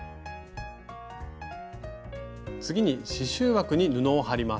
次に刺しゅう枠に布を張ります。